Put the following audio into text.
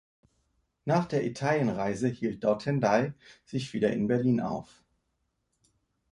Nach der Italienreise hielt Dauthendey sich wieder in Berlin auf.